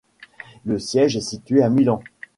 Le siège est situé à Milan.